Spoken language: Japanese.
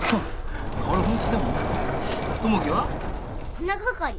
花係。